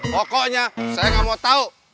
pokoknya saya gak mau tau